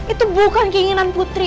itu bukan keinginan putri